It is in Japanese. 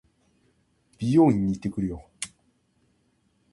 美容院に行ってくるよ。